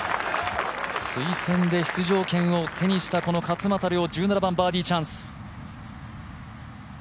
推薦で出場権を手にしたこの勝俣陵、１７番、バーディーチャンス。